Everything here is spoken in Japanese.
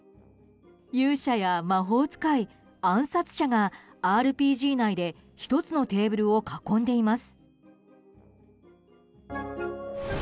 勇者や魔法使い、暗殺者がＲＰＧ内で１つのテーブルを囲んでいます。